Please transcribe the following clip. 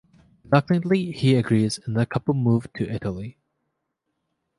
Reluctantly, he agrees, and the couple move to Italy.